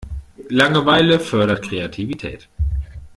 Langeweile fördert Kreativität.